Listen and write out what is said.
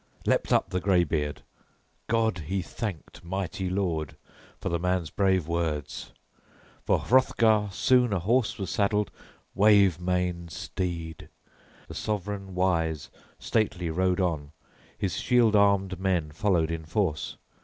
Leaped up the graybeard: God he thanked, mighty Lord, for the man's brave words. For Hrothgar soon a horse was saddled wave maned steed. The sovran wise stately rode on; his shield armed men followed in force.